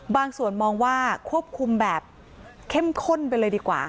ส่วนมองว่าควบคุมแบบเข้มข้นไปเลยดีกว่า